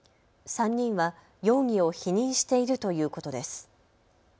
３人は容疑を否認しているということです。